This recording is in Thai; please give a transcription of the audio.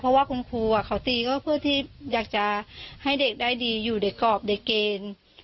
เพราะว่าคุณครูเขาตีก็เพื่อที่อยากจะให้เด็กได้ดีอยู่ในกรอบในเกณฑ์